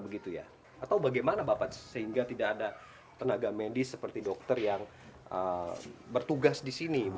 atau bagaimana bapak sehingga tidak ada tenaga medis seperti dokter yang bertugas di sini